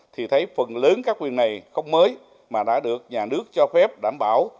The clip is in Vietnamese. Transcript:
thì thấy phần lớn các quyền này không mới mà đã được nhà nước cho phép đảm bảo